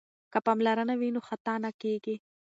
که پاملرنه وي نو خطا نه کیږي.